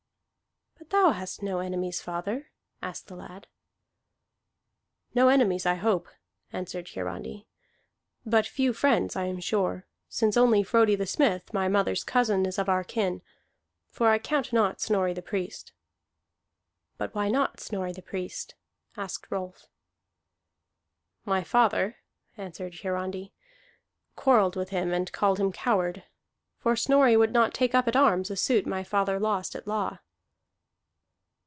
"But thou hast no enemies, father?" asked the lad. "No enemies, I hope," answered Hiarandi, "but few friends, I am sure, since only Frodi the Smith, my mother's cousin, is of our kin; for I count not Snorri the Priest." "But why not Snorri the Priest?" asked Rolf. "My father," answered Hiarandi, "quarrelled with him and called him coward. For Snorri would not take up at arms a suit my father lost at law."